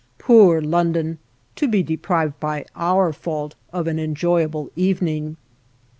Poor London, to be deprived by our fault of an enjoyable evening!